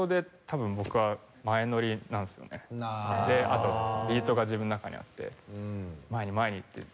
あとビートが自分の中にあって前に前にっていう。